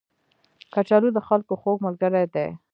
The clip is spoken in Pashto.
کچالو د خلکو خوږ ملګری دی